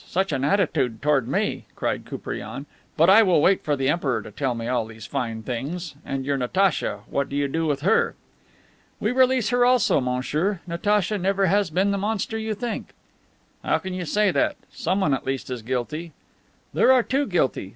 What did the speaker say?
Such an attitude toward me!" cried Koupriane. "But I will wait for the Emperor to tell me all these fine things. And your Natacha, what do you do with her?" "We release her also, monsieur. Natacha never has been the monster that you think." "How can you say that? Someone at least is guilty." "There are two guilty.